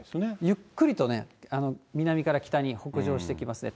ゆっくりとね、南から北に北上してきますね。